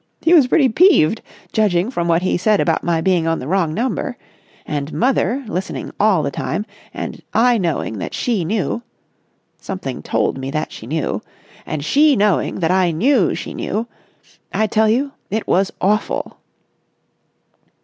He was pretty peeved, judging from what he said about my being on the wrong number. And mother, listening all the time, and I knowing that she knew—something told me that she knew—and she knowing that I knew she knew.... I tell you, it was awful!"